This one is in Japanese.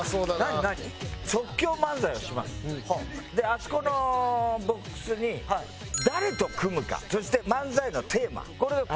あそこのボックスに誰と組むかそして漫才のテーマこれが入ってます。